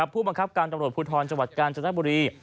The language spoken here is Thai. ผู้บังคับการตำรวจภูทรจังหวัดกาญจนบุรี